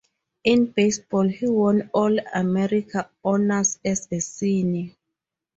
In baseball, he won All-America honors as a senior.